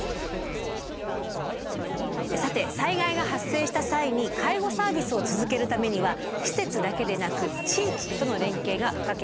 さて災害が発生した際に介護サービスを続けるためには施設だけでなく地域との連携が不可欠となります。